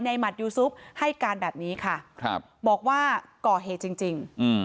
หมัดยูซุปให้การแบบนี้ค่ะบอกว่าก่อเหตุจริง